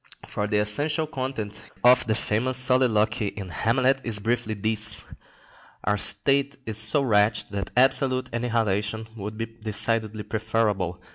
The essential content of the famous soliloquy in "Hamlet" is briefly this: Our state is so wretched that absolute annihilation would be decidedly preferable.